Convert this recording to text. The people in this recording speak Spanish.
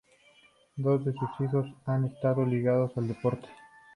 Dos de sus hijos han estado ligados al deporte.